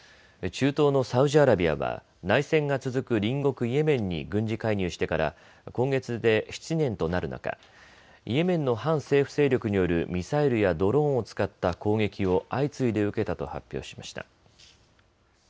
中東のサウジアラビアは内戦が続く隣国イエメンに軍事介入してから今月で７年となる中イエメンの反政府勢力によるミサイルやドローンを使った攻撃を相次いで受けたと発表しました。